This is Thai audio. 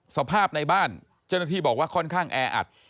สภาพในบ้านเจ้าหน้าที่บอกว่าค่อนข้างแออัด